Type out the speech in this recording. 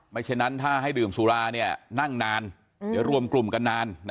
ฉะนั้นถ้าให้ดื่มสุรานั่งนานเดี๋ยวรวมกลุ่มกันนาน